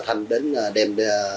thanh đến đem